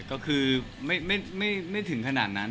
ก็คือไม่ถึงขนาดนั้น